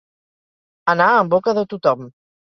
Anar en boca de tothom.